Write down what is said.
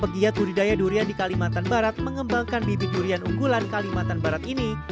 pegiat budidaya durian di kalimantan barat mengembangkan bibit durian unggulan kalimantan barat ini